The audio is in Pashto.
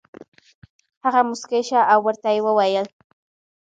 هغه موسکی شو او ورته یې وویل: